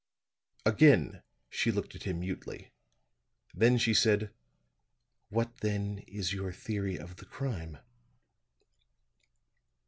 Again she looked at him mutely. Then she said: "What, then, is your theory of the crime?"